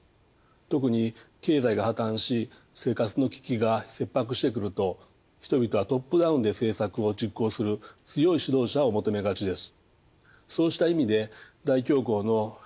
特に経済が破綻し生活の危機が切迫してくると人々はトップダウンで政策を実行する強い指導者を求めがちです。